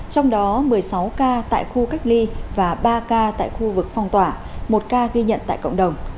trong đó một mươi sáu ca tại khu cách ly và ba ca tại khu vực phong tỏa một ca ghi nhận tại cộng đồng